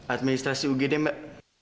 administrasi ugd mbak